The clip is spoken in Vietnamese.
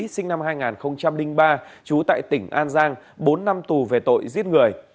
sinh năm hai nghìn ba trú tại tỉnh an giang bốn năm tù về tội giết người